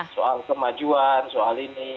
soal kemajuan soal ini